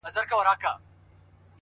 o زه هم له خدايه څخه غواړمه تا.